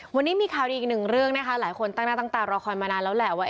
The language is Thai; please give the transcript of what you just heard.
วันนี้มีข่าวดีอีกหนึ่งเรื่องนะคะหลายคนตั้งหน้าตั้งตารอคอยมานานแล้วแหละว่า